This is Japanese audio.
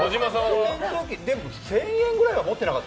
１０００円くらいは持ってなかった？